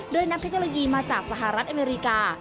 ด้วยน้ำเครื่องเจริญีมาจากสหรัฐอเมริกา